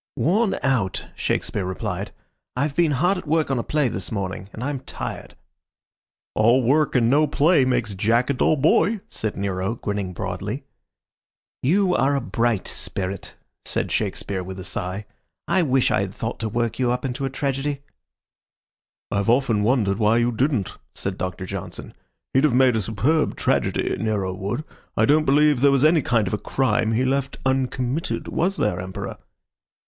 "Worn out," Shakespeare replied. "I've been hard at work on a play this morning, and I'm tired." "All work and no play makes Jack a dull boy," said Nero, grinning broadly. "You are a bright spirit," said Shakespeare, with a sigh. "I wish I had thought to work you up into a tragedy." "I've often wondered why you didn't," said Doctor Johnson. "He'd have made a superb tragedy, Nero would. I don't believe there was any kind of a crime he left uncommitted. Was there, Emperor?"